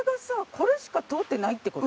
これしか通ってないってこと？